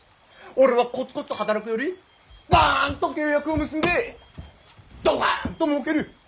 俺はコツコツ働くよりバンと契約を結んでドカンともうける。